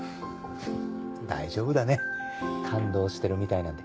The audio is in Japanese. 大丈夫だね感動してるみたいなんで。